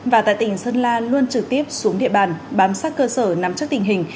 và tại tỉnh sơn la luôn trực tiếp xuống địa bàn bám sát cơ sở nắm chắc tình hình